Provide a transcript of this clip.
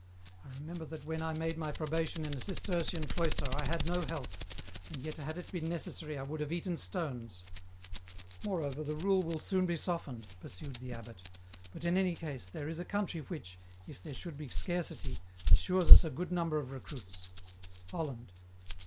I remember that when I made my probation in a Cistercian cloister I had no health, and yet had it been necessary I would have eaten stones !" Moreover, the rule will soon be softened," pursued the abbot ;" but in any case there is a country which, if there should be scarcity, assures us a good number of recruits, Holland."